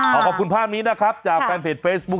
ขอบคุณภาพนี้นะครับจากแฟนเพจเฟซบุ๊